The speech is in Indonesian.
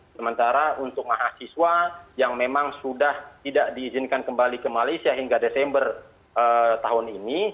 sementara untuk mahasiswa yang memang sudah tidak diizinkan kembali ke malaysia hingga desember tahun ini